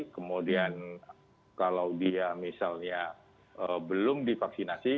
kemudian kalau dia misalnya belum divaksinasi